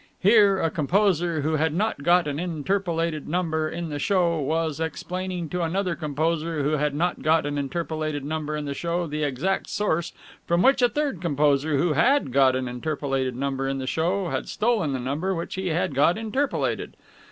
Here, a composer who had not got an interpolated number in the show was explaining to another composer who had not got an interpolated number in the show the exact source from which a third composer who had got an interpolated number in the show had stolen the number which he had got interpolated.